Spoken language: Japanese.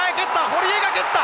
堀江が蹴った！